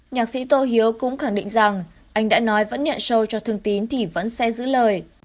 nhạc sĩ tô hiếu cũng khẳng định rằng anh đã nói vẫn nhận sâu cho thương tín thì vẫn sẽ giữ lời